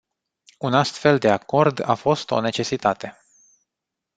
Un astfel de acord a fost o necesitate.